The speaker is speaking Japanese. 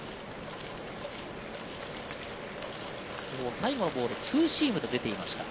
最後のボールはツーシームと出ていました。